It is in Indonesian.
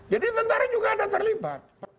jadi tentara juga ada yang terlipat